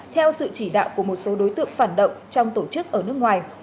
theo sự chỉ đạo của một số đối tượng phản động trong tổ chức ở nước ngoài